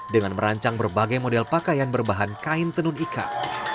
dengan merancang berbagai model pakaian berbahan kain tenun ikat